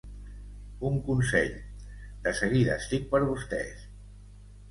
Un consell, de seguida estic per vostès.